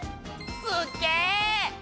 すっげぇ！